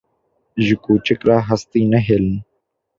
Ji kûçik re hestî nehêlin.